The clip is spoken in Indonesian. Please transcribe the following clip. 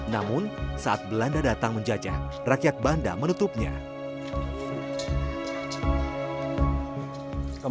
namun saat belanda datang menjajah rakyat banda menutupnya